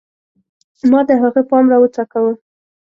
ما د هغه پام راوڅکاوه